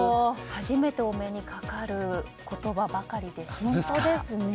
初めてお目にかかる言葉ばかりでした。